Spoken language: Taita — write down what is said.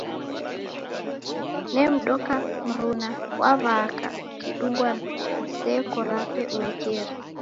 Nemdoka mruna waw'aka ukidungwa ni seko rape uekeri.